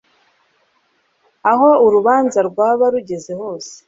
aho urubanza rwaba rugeze hose